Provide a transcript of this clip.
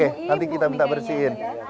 iya ibu nanti kita minta bersihin